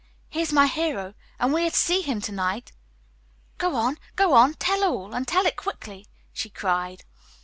"He is my hero, and we are to see him tonight." "Go on, go on! Tell all, and tell it quickly," she cried.